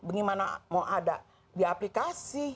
bagaimana mau ada di aplikasi